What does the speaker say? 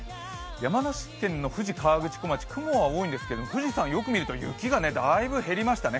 山梨県の富士河口湖町、雲は多いんですけれども、富士山、よく見ると雪がだいぶ減りましたね。